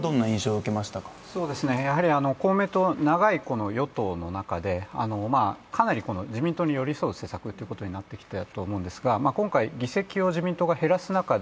公明党、長い与党の中で、かなり自民党に寄り添う政策ということになってきたと思うんですが今回、議席を自民党が減らす中